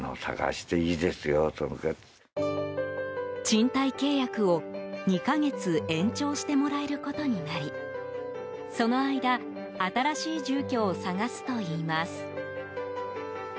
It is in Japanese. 賃貸契約を、２か月延長してもらえることになりその間新しい住居を探すといいます。